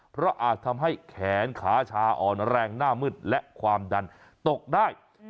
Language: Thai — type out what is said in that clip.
เพราะอาจทำให้แขนขาชาอ่อนแรงหน้ามืดและความดันตกได้